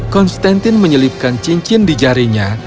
konstantin menyelipkan cincin di jarinya